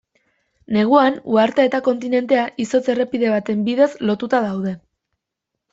Neguan, uhartea eta kontinentea, izotz errepide baten bidez lotuta daude.